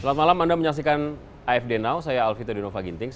selamat malam anda menyaksikan afd now saya alvito dinova gintings